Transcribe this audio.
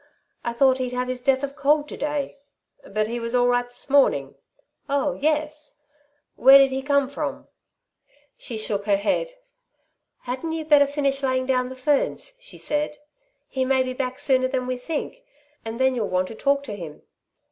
I thought he'd have his death of cold to day." "But he was all right this morning?" "Oh, yes." "Where did he come from?" She shook her head. "Hadn't you better finish laying down the ferns," she said. "He may be back sooner than we think and then you'll want to talk to him."